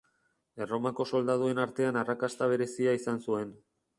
Erromako soldaduen artean arrakasta berezia izan zuen.